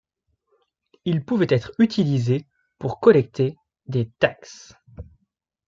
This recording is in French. Ils pouvaient être utilisés pour collecter des taxes.